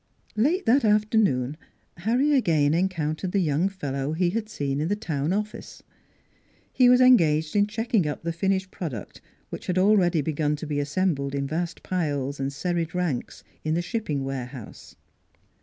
Late that afternoon Harry again encountered the young fellow he had seen in the town office. He was engaged in checking up the finished prod uct, which had already begun to be assembled in vast piles and serried ranks in the shipping ware house.